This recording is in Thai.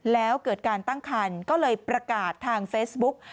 แล้วเกิดการตั้งคันก็เลยประกาศทางเฟซบุ๊ก